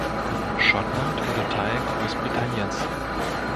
Schottland wurde Teil Großbritanniens.